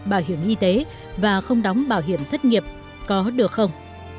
bảo hiểm y tế và không đóng bảo hiểm thất nghiệp có được không